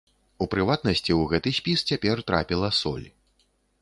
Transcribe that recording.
У прыватнасці, у гэты спіс цяпер трапіла соль.